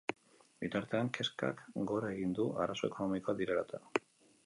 Bitartean, kezkak gora egin du arazo ekonomikoak direla eta.